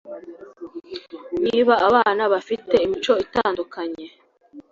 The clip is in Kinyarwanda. Ni abana bafite imico itandukanye